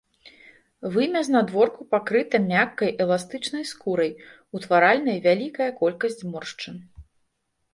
Вымя знадворку пакрыта мяккай, эластычнай скурай, утваральнай вялікая колькасць зморшчын.